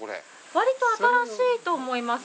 わりと新しいと思います。